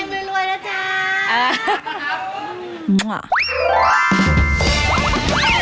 พี่ฝนค่ะน่ารักจังเลย